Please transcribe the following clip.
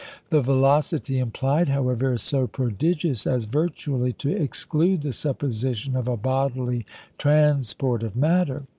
The velocity implied, however, is so prodigious as virtually to exclude the supposition of a bodily transport of matter.